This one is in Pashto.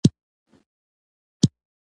مقالي په پښتو، دري، ازبکي او ترکي ژبو وې.